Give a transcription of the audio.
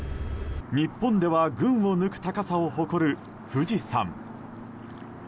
日本では群を抜く高さを誇る富士山。